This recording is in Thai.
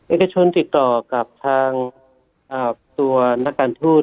เอกชนติดต่อกับทางตัวนักการทูต